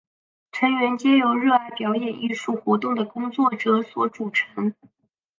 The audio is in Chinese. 成员皆由热爱表演艺术活动的工作者所组成。